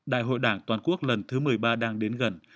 đại hội đảng toàn quốc lần thứ một mươi ba đang đến gần